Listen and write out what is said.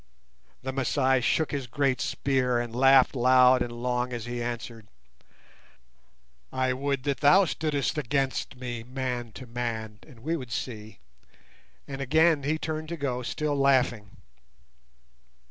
The Masai shook his great spear and laughed loud and long as he answered, "I would that thou stoodst against me man to man, and we would see," and again he turned to go still laughing.